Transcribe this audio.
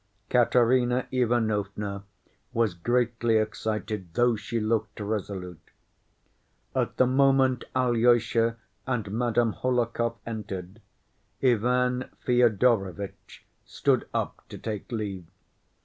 Katerina Ivanovna was greatly excited, though she looked resolute. At the moment Alyosha and Madame Hohlakov entered, Ivan Fyodorovitch stood up to take leave.